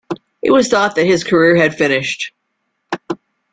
It was thought that his career had finished.